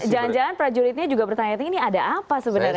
jangan jangan prajuritnya juga bertanya tanya ini ada apa sebenarnya gitu kan